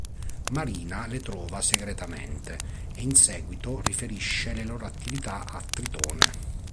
Marina le trova segretamente, e in seguito riferisce le loro attività a Tritone.